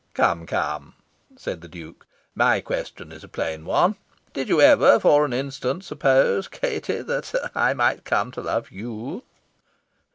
"Come, come!" said the Duke. "My question is a plain one. Did you ever for an instant suppose, Katie, that I might come to love you?"